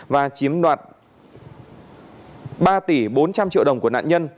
và chiếm đoạt ba tỷ bốn trăm linh triệu đồng của nạn nhân